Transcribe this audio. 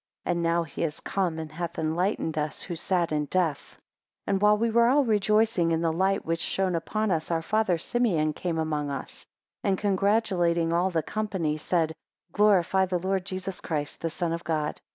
And now he is come, and hath enlightened us who sat in death. 7 And while we were all rejoicing in the light which shone upon us, our father Simeon came among us, and congratulating all the company, said, Glorify the Lord Jesus Christ the Son of God.